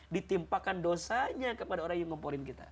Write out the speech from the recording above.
ditimpakan dosanya kepada orang yang ngomporin kita